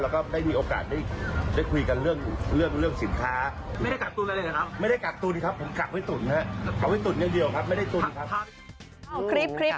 แล้วก็ได้มีโอกาสได้คุยกันเรื่องสินค้า